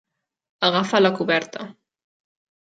Agafa la coberta.